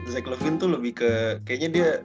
zach levine tuh lebih ke kayaknya dia